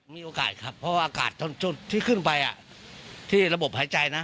ไม่กลัวอากาศกันพออากาศทั้งช่วงที่ขึ้นไปที่ระบบหายใจนะ